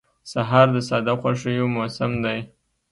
سهار د ساده خوښیو موسم دی.